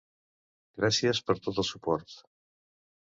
Gràcies per tot el suport!